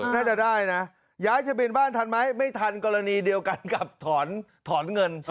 ย้ายจะบินบ้านทันไหมไม่ทันกรณีเดียวกันกับถอนเงิน